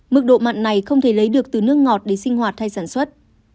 mức độ mặn này không thể lấy được từ nước ngọt để sinh hoạt hay sản xuất